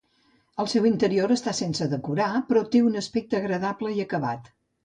El seu interior està sense decorar, però té un aspecte agradable i acabat.